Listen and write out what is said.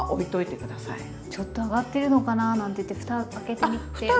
ちょっと上がってるのかななんて言ってふた開けて見ても？